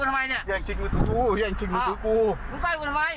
มึงต้อยกูทำไมเนี่ย